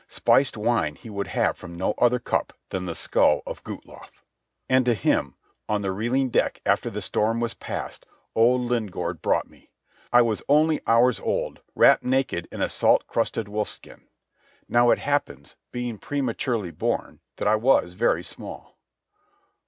Spiced wine he would have from no other cup than the skull of Guthlaf. And to him, on the reeling deck after the storm was past, old Lingaard brought me. I was only hours old, wrapped naked in a salt crusted wolfskin. Now it happens, being prematurely born, that I was very small.